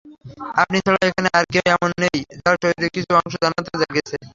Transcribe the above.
আপনি ছাড়া এখানে আর কেউ এমন নেই যার শরীরের কিছু অংশ জান্নাতে চলে গেছে।